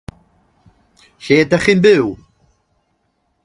Lle dach chi'n byw?